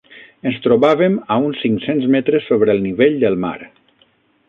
Ens trobàvem a uns cinc-cents metres sobre el nivell del mar.